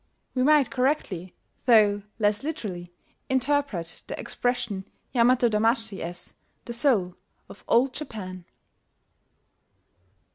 We might correctly, though less literally, interpret the expression Yamato damashi as "The Soul of Old Japan."